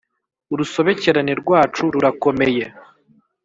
Urusobekerane rwacu rurakomeye.